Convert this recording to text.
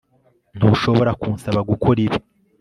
Ntushobora kunsaba gukora ibi